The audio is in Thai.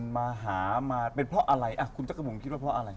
มาหามาเป็นเพราะอะไรคุณจักรพงศ์คิดว่าเพราะอะไร